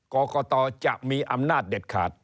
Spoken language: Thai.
กรกตจะมีอำนาจเด็ดขาด